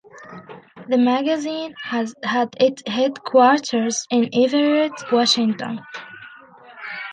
The magazine had its headquarters in Everett, Washington.